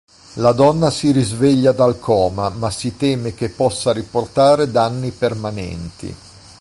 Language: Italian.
La donna si risveglia dal coma, ma si teme che possa riportare danni permanenti.